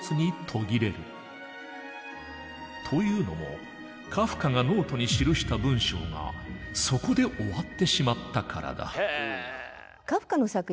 というのもカフカがノートに記した文章がそこで終わってしまったからだ。